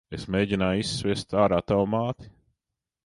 Es mēgināju izsviest ārā tavu māti.